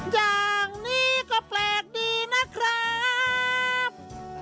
อย่างนี้ก็แปลกดีนะครับ